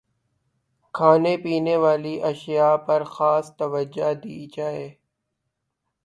کھانے پینے والی اشیا پرخاص توجہ دی جائے